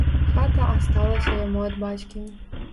Хата асталася яму ад бацькі.